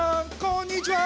こんにちは。